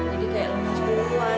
jadi kayak lemas berumuan